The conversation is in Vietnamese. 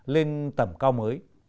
lên tầm cao mới